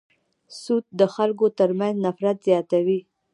سود د خلکو تر منځ نفرت زیاتوي.